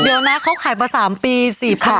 เดี๋ยวนะเขาขายมา๓ปี๔๐๐